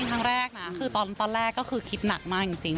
ครั้งแรกนะคือตอนแรกก็คือคิดหนักมากจริง